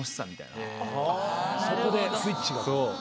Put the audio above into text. そこでスイッチが。